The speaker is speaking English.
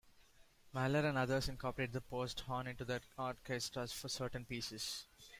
Mahler and others incorporated the post horn into their orchestras for certain pieces.